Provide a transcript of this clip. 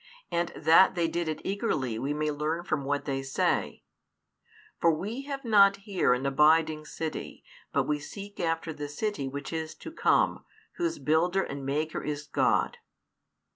And that they did it eagerly we may learn from what they say: For we have not here an abiding city, but we seek after the city which is to come, whose builder and maker is God.